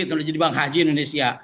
itu sudah bank haji indonesia